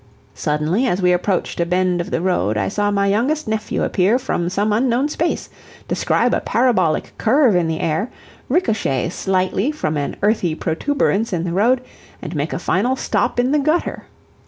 Suddenly, as we approached a bend of the road, I saw my youngest nephew appear from some unknown space, describe a parabolic curve in the air, ricochet slightly from an earthy protuberance in the road, and make a final stop in the gutter.